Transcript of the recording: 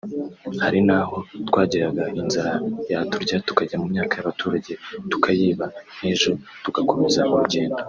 hari n’aho twageraga inzara yaturya tukajya mu myaka y’abaturage tukayiba nk’ejo tugakomeza urugendo